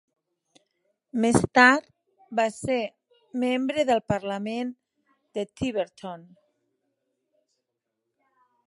Més tard, va ser membre del Parlament de Tiverton.